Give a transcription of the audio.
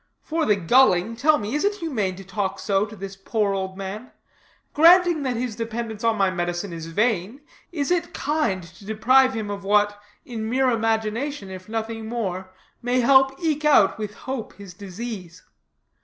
For the gulling, tell me, is it humane to talk so to this poor old man? Granting that his dependence on my medicine is vain, is it kind to deprive him of what, in mere imagination, if nothing more, may help eke out, with hope, his disease?